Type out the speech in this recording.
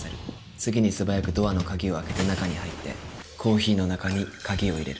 次に素早くドアの鍵を開けて中に入ってコーヒーの中に鍵を入れる。